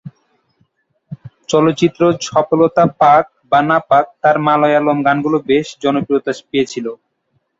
চলচ্চিত্র সফলতা পাক বা না পাক তার মালয়ালম গানগুলো বেশ জনপ্রিয়তা পেয়েছিল।